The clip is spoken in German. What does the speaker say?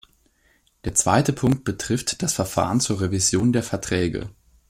Der zweite Punkt betrifft das Verfahren zur Revision der Verträge.